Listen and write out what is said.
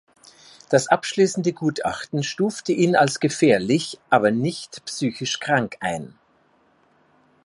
Das abschließende Gutachten stufte ihn als „gefährlich“, aber nicht psychisch krank ein.